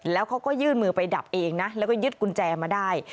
แล้วเขาก็ยื่นมือไปดับเองนะแล้วก็ยึดกุญแจมาได้